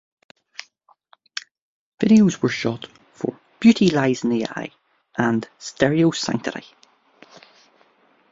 Videos were shot for "Beauty Lies in the Eye" and "Stereo Sanctity".